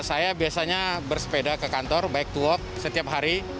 saya biasanya bersepeda ke kantor baik to walk setiap hari